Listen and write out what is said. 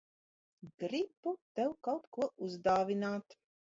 Gribu tev kaut ko uzdāvināt.